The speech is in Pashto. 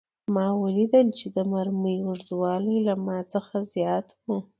ما ولیدل چې د مرمۍ اوږدوالی له ما څخه زیات و